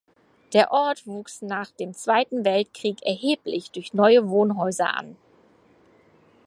Der Ort wuchs nach dem Zweiten Weltkrieg erheblich durch neue Wohnhäuser an.